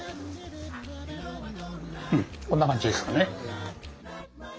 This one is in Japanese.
うんこんな感じですかね。